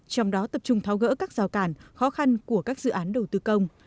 trong đó tập trung tháo gỡ các rào cản khó khăn của các dự án đầu tư công